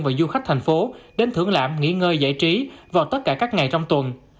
và du khách thành phố đến thưởng lãm nghỉ ngơi giải trí vào tất cả các ngày trong tuần